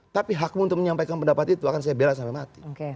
tapi hakmu untuk menyampaikan pendapat itu akan saya bela sampai mati